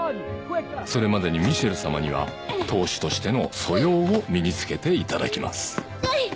それまでにミシェルさまには当主としての素養を身につけていただきます。